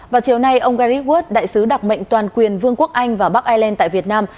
vào chiều nay ông gari wood đại sứ đặc mệnh toàn quyền vương quốc anh và bắc ireland tại việt nam